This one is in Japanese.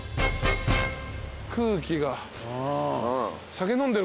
空気が。